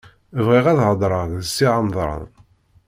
Bɣiɣ ad hedṛeɣ d Si Remḍan.